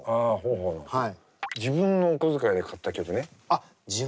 あっ自分のお小遣いで買った曲。